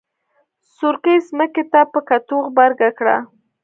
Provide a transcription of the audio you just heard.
سورکي ځمکې ته په کتو غبرګه کړه.